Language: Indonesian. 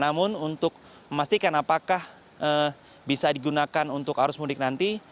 namun untuk memastikan apakah bisa digunakan untuk arus mudik nanti